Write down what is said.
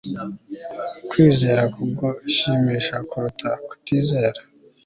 kwizera kugushimisha kuruta kutizera